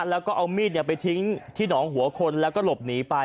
แล้วก็เอามีดไปทิ้งที่หนองหัวคนแล้วก็หลบหนีไป